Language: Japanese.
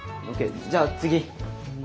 じゃあ次。